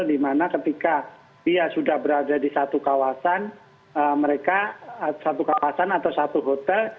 dimana ketika dia sudah berada di satu kawasan mereka satu kawasan atau satu hotel